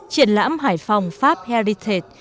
triển lãm hải phòng pháp heritage